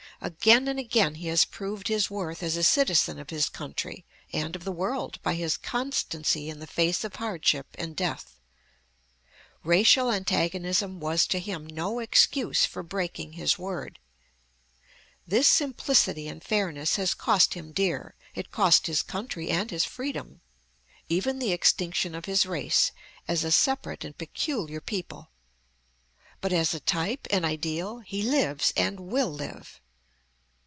Again and again he has proved his worth as a citizen of his country and of the world by his constancy in the face of hardship and death. Racial antagonism was to him no excuse for breaking his word. This simplicity and fairness has cost him dear; it cost his country and his freedom, even the extinction of his race as a separate and peculiar people; but as a type, an ideal, he lives and will live!